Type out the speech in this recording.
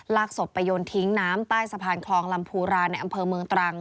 ศพไปโยนทิ้งน้ำใต้สะพานคลองลำพูราในอำเภอเมืองตรัง